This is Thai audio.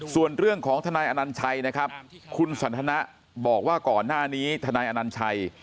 ส่วนเรื่องของทนายอนัญชัยนะครับคุณสันทนะบอกว่าก่อนหน้านี้ทนายอนัญชัย